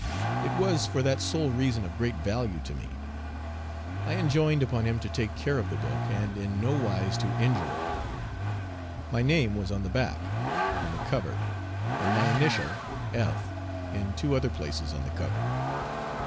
It was for that sole reason of great value to me. I enjoined upon him to take care of the book, and in nowise to injure it. My name was on the back, on the cover, and my initial, "F," in two other places on the cover.